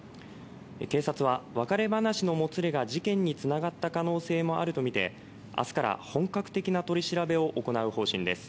警察は、別れ話のもつれが事件につながった可能性もあるとみて明日から本格的な取り調べを行う方針です。